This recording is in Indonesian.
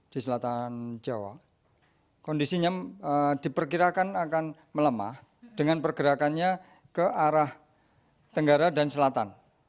di selatan jawa kondisinya diperkirakan akan melemah dengan pergerakannya ke arah tenggara dan selatan